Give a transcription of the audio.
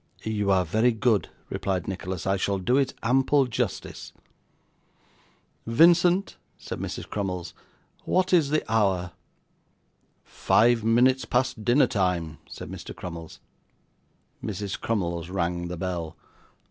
'You are very good,' replied Nicholas, 'I shall do it ample justice.' 'Vincent,' said Mrs. Crummles, 'what is the hour?' 'Five minutes past dinner time,' said Mr. Crummles. Mrs. Crummles rang the bell.